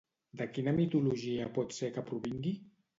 De quina mitologia pot ser que provingui?